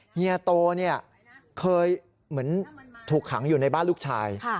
เฮียโตเคยเหมือนถูกขังอยู่ในบ้านลูกชาย